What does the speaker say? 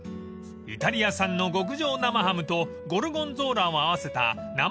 ［イタリア産の極上生ハムとゴルゴンゾーラを合わせた］